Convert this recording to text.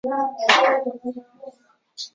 这是清朝第一个专为台湾设置的省级行政区。